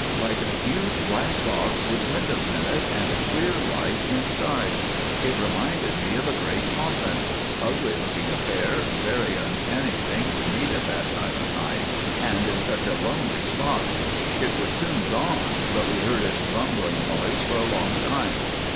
"Like a huge black box with windows in it, and a queer light inside. It reminded me of a great coffin. Ugly looking affair; very uncanny thing to meet at that time of night and in such a lonely spot. It was soon gone, but we heard its rumbling noise for a long time."